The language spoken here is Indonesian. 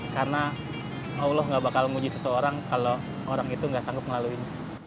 karena allah nggak bakal muji seseorang kalau orang itu nggak sanggup ngelaluin